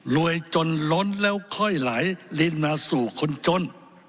จนล้นแล้วค่อยไหลลินมาสู่คนจน